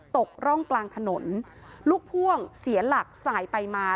ตกร่องกลางถนนลูกพ่วงเสียหลักสายไปมา